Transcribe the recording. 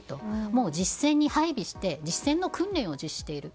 もう実戦に配備して実戦の訓練をしている。